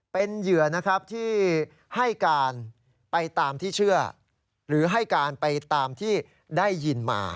เป็นเหยื่อนะครับที่ให้การไปตามที่เชื่อหรือให้การไปตามที่ได้ยินมา